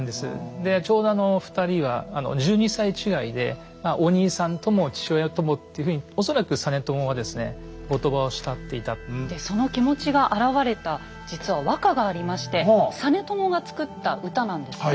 でちょうど２人は１２歳違いでお兄さんとも父親ともっていうふうにでその気持ちが表れた実は和歌がありまして実朝が作った歌なんですね。